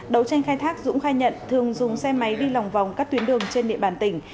đấu tranh khai thác dũng khai nhận thường dùng xe máy đi lòng vòng các tuyến đường trên địa bàn tỉnh